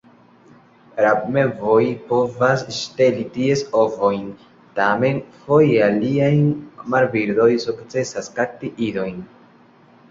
Rabmevoj povas ŝteli ties ovojn; tamen, foje aliaj marbirdoj sukcesas kapti idojn.